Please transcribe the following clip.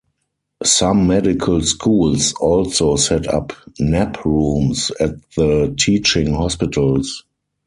Some medical schools also set up nap rooms at the teaching hospitals.